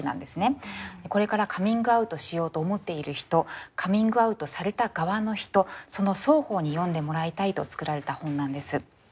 これからカミングアウトしようと思っている人カミングアウトされた側の人その双方に読んでもらいたいと作られた本なんです。